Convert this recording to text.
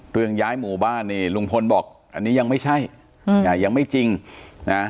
เรื่องย้ายหมู่บ้านนี่ลุงพลบอกอันนี้ยังไม่ใช่ยังไม่จริงนะ